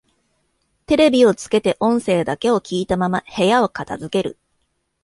テレビをつけて音声だけを聞いたまま部屋を片づける